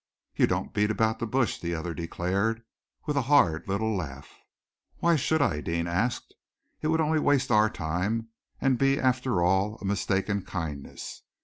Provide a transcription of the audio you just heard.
"You don't beat about the bush," the other declared, with a hard little laugh. "Why should I?" Deane asked. "It would only waste our time, and be, after all, a mistaken kindness.